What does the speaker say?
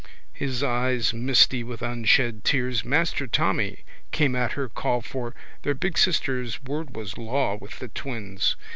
His eyes misty with unshed tears Master Tommy came at her call for their big sister's word was law with the twins.